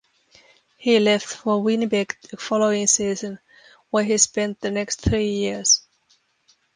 He left for Winnipeg the following season, where he spent the next three years.